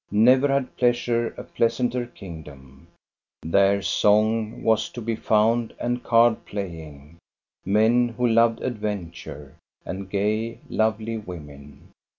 Never had Pleasure a pleasanter kingdom. There song was to be found and card playing, men who loved adventure, and gay, lovely women.